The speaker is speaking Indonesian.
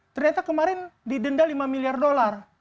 ternyata kemarin didenda lima miliar dolar